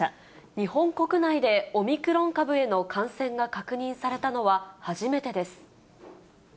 日本国内でオミクロン株への感染が確認されたのは、初めてです。